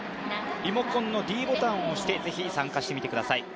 リモコンのｄボタンを押してぜひ参加してみてください。